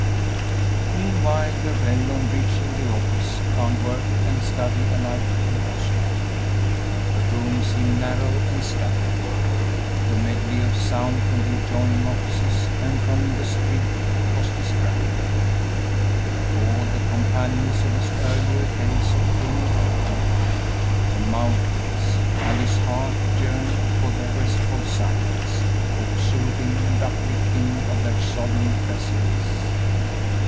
Meanwhile, Darrell, on reaching the office, found work and study alike impossible. The room seemed narrow and stifling; the medley of sound from the adjoining offices and from the street was distracting. He recalled the companions of his earlier days of pain and conflict, the mountains, and his heart yearned for their restful silence, for the soothing and uplifting of their solemn presence.